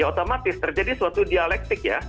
otomatis terjadi suatu dialektik ya